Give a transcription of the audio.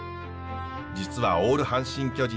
実はオール阪神・巨人さん